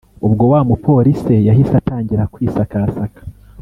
ubwo wamupolise yahise atangira kwisakasaka